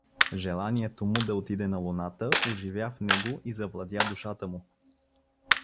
Желанието му да отиде на Луната оживя в него и завладя душата му.